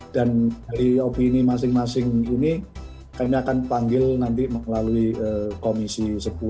dan dari opini masing masing ini kami akan panggil nanti melalui komisi sepuluh